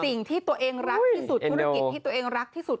สิ่งที่ตัวเองรักที่สุดธุรกิจที่ตัวเองรักที่สุด